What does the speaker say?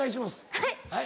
はい。